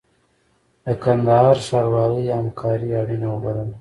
د کندهار ښاروالۍ همکاري اړینه وبلله.